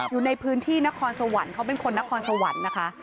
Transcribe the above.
อยู่ในพื้นที่นครสวรรค์เขาเป็นคนนครสวรรค์นะคะ